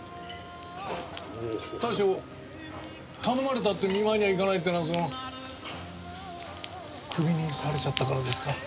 大将頼まれたって見舞いには行かないってのはそのクビにされちゃったからですか？